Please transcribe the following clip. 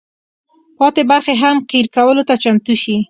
پاتې برخې هم قیر کولو ته چمتو شي.